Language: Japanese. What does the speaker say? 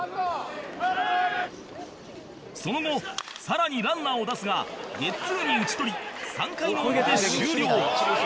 その後さらにランナーを出すがゲッツーに打ち取り３回の表終了